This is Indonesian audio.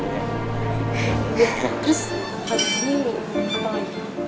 terus abis ini apa lagi